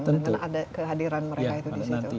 karena ada kehadiran mereka di situ